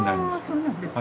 そうなんですか。